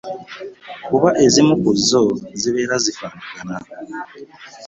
Kuba ezimu ku zino zibeera zifaanagana.